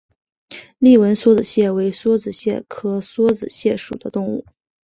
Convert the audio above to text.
丽纹梭子蟹为梭子蟹科梭子蟹属的动物。